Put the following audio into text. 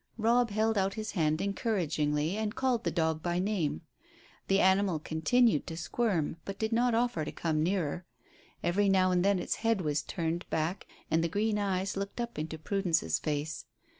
Robb held out his hand encouragingly and called the dog by name. The animal continued to squirm but did not offer to come nearer. Every now and then its head was turned back, and the green eyes looked up into Prudence's face.